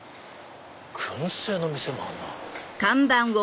薫製の店もあるな。